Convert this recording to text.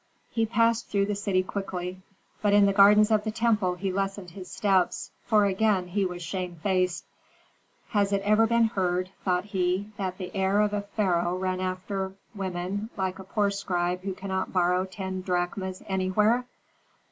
He passed through the city quickly; but in the gardens of the temple he lessened his steps, for again he was shamefaced. "Has it ever been heard," thought he, "that the heir of a pharaoh ran after women like a poor scribe who cannot borrow ten drachmas anywhere?